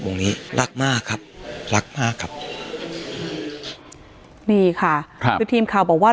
นี้รักมากครับรักมากครับนี่ค่ะครับคือทีมข่าวบอกว่า